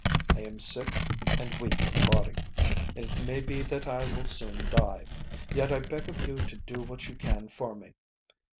"I am sick and weak in body, and it may be that I will soon die. Yet I beg of you to do what you can for me.